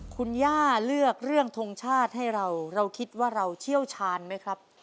คุณย่าเลือกเรื่องทรงชาติให้เราเราคิดว่าเราเชี่ยวชาญไหมครับ